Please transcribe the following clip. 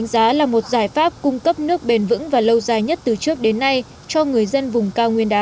giải pháp cung cấp nước bền vững và lâu dài nhất từ trước đến nay cho người dân vùng cao nguyên đá